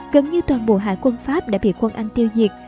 gần như toàn bộ hải quân pháp đã bị quân anh tiêu diệt